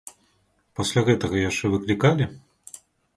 Пасля гэтага яшчэ выклікалі?